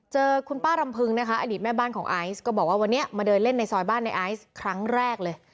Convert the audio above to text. เจอคุณป้ารำพึงนะคะอดีตแม่บ้านของไอซ์ก็บอกว่าวันนี้มาเดินเล่นในซอยบ้านในไอซ์ครั้งแรกเลย